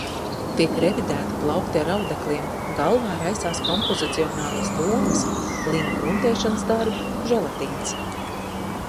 Tiek revidēti plaukti ar audekliem, galvā raisās kompozicionālās domas. Lina gruntēšanas darbi. Želatīns.